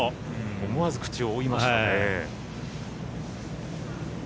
思わず口を覆いましたね。